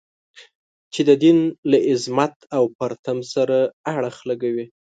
چې د دین له عظمت او پرتم سره اړخ لګوي.